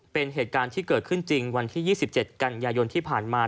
เป็นเหตุการณ์ที่เกิดขึ้นจริงวันที่๒๗กันยายนที่ผ่านมา